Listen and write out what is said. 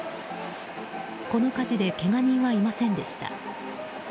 この火事でけが人はいませんでした。